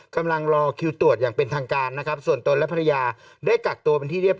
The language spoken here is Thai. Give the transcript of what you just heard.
กำลังรอคิวตรวจอย่างเป็นทางการนะครับส่วนตนและภรรยาได้กักตัวเป็นที่เรียบ